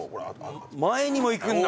前にも行くんだ。